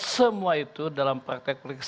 semua itu dalam praktek politik